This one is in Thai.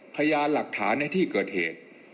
พยานหลักฐานในที่เกิดเหตุ